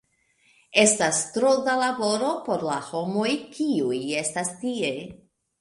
Estas tro da laboro por la homoj kiuj estas tie.